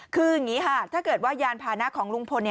คืออย่างนี้ค่ะถ้าเกิดว่ายานพานะของลุงพล